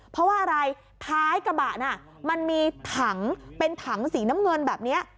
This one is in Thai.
เพราะว่าอะไรท้ายกระบะน่ะมันมีถังเป็นถังสีน้ำเงินแบบนี้